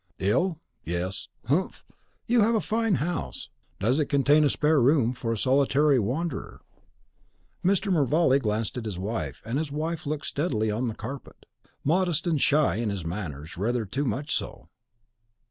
"Ill, yes. Humph! you have a fine house. Does it contain a spare room for a solitary wanderer?" Mr. Mervale glanced at his wife, and his wife looked steadily on the carpet. "Modest and shy in his manners rather too much so!"